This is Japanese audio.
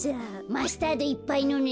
マスタードいっぱいのね。